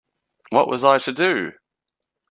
What was I to do?